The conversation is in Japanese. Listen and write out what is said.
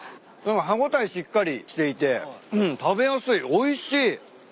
歯応えしっかりしていて食べやすいおいしい。